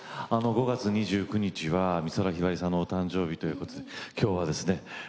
５月２９日は美空ひばりさんのお誕生日ということで今日はですね